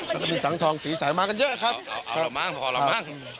มันจะมีสังทองสีสายมากันเยอะครับเอามาพอมามันจะเยอะเลย